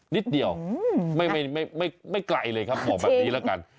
นิดเดียวไม่ไกลเลยครับบอกแบบนี้แล้วกัน